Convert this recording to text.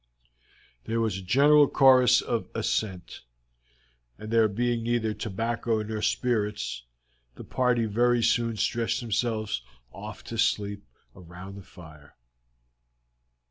There was a general chorus of assent, and there being neither tobacco nor spirits, the party very soon stretched themselves off to sleep round the fire.